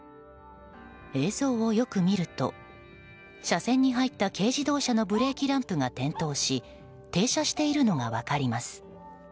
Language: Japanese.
映像をよく見ると車線に入った軽自動車のブレーキランプが点灯し停車しているのが分かります。